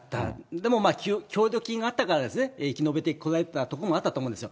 でも、協力金があったから生き延びてこられたところもあったと思うんですよ。